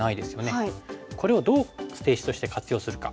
これをどう捨て石として活用するか。